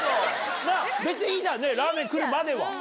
別にいいじゃんねラーメン来るまでは。